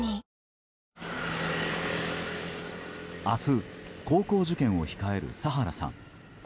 明日、高校受験を控える佐原さん。